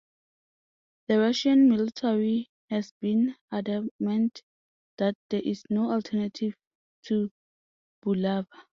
The Russian military has been adamant that there is no alternative to Bulava.